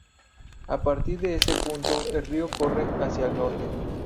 A partir de ese punto el río corre hacia el norte.